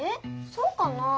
そうかな。